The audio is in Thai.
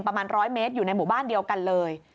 ประมาณ๑๐๐เมตรอยู่ในหมู่บ้านเดียวกันเลย